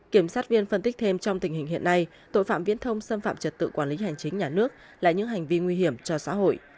kiểm sát viên phân tích thêm trong tình hình hiện nay tội phạm viễn thông xâm phạm trật tự quản lý hành chính nhà nước là những hành vi nguy hiểm cho xã hội